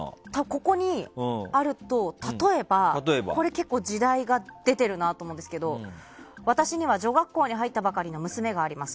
ここにあるのだと、例えば結構時代が出てるなと思いますけど私には女学校に入ったばかりの娘があります。